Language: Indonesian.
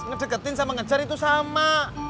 ngedeketin sama ngejar itu sama